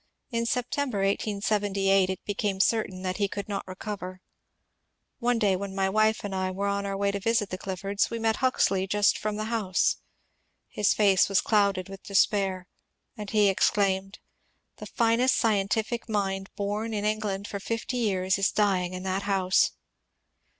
In September, 1878, it became certain that he could not recover. One day when my wife and I were on our way to visit the Cliffords, we met Huxley just from the house. His face was clouded with despair, and he ex claimed, " The finest scientific mind bom m Enghind for fifty years is dying in that house."